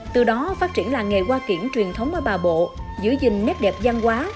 từ đó phát triển làng nghề hoa kiển truyền thống ở bà bộ giữ gìn nét đẹp văn hóa